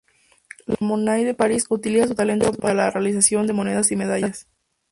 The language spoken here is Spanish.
La Monnaie de París, utiliza su talento para la realización de monedas y medallas.